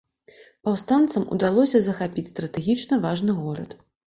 Паўстанцам удалося захапіць стратэгічна важны горад.